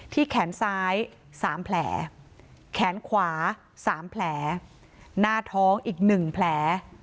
ที่แขนซ้ายสามแผลแขนขวาสามแผลหน้าท้องอีกหนึ่งแผล